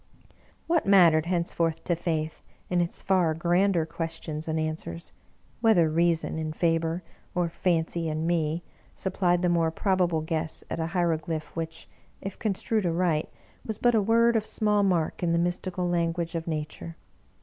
What mattered henceforth to Faith, in its far grander questions and answers, whether Reason, in Faber, or Fancy, in me, supplied the more probable guess at a hiero glyph which, if construed aright, was but a word of small mark in the mystical language of Nature